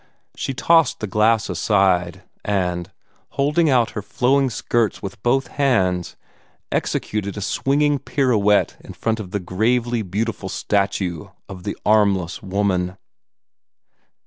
She tossed the glass aside, and, holding out her flowing skirts with both hands, executed a swinging pirouette in front of the gravely beautiful statue of the armless woman.